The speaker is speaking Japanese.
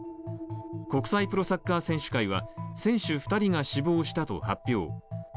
国際プロサッカー選手会は選手２人が死亡したと発表。